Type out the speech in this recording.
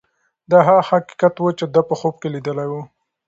دا هغه حقیقت و چې ده په خوب کې لیدلی و.